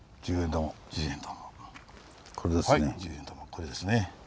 これですね。